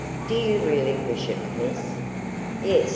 "Do you really wish it, miss?" "Yes.